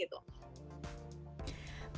pengusaha martabak manis itu berapa